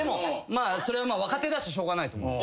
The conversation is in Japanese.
それはまあ若手だししょうがないと思って。